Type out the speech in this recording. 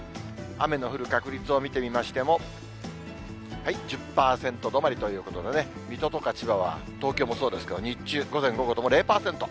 雨の降る確率を見てみましても、１０％止まりということでね、水戸とか千葉は、東京もそうですけど、日中、午前、午後とも０％。